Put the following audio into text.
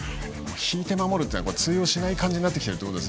引いて守るというのは通用しない感じになってきた